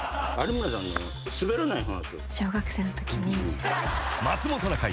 小学生のときに。